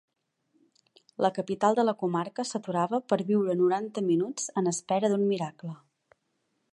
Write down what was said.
La capital de la comarca s'aturava per viure noranta minuts en espera d'un miracle.